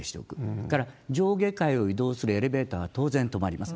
それから、上下階を移動するエレベーターは当然止まります。